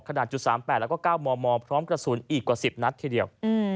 ขนาด๓๘แล้วก็๙มมพร้อมกระสุนอีกกว่า๑๐นัดทีเดียว